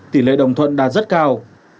tỉ lệ đồng thuận đạt rất cao